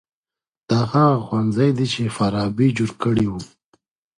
دا هغه ښوونځی دی چي فارابي جوړ کړی و.